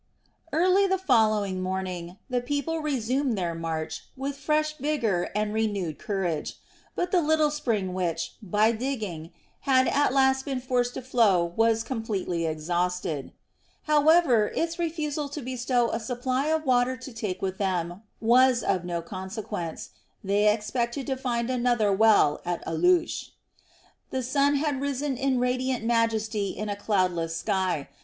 Early the following morning the people resumed their march with fresh vigor and renewed courage; but the little spring which, by digging, had at last been forced to flow was completely exhausted. However, its refusal to bestow a supply of water to take with them was of no consequence; they expected to find another well at Alush. The sun had risen in radiant majesty in a cloudless sky.